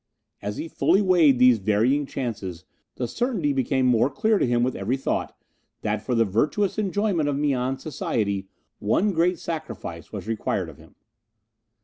As he fully weighed these varying chances the certainty became more clear to him with every thought that for the virtuous enjoyment of Mian's society one great sacrifice was required of him.